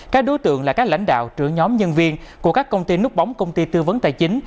các đối tượng là các lãnh đạo trưởng nhóm nhân viên của các công ty nút bóng công ty tư vấn tài chính